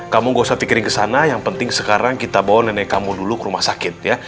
kamu gak usah pikirin ke sana yang penting sekarang kita bawa nenek kamu dulu ke rumah sakit ya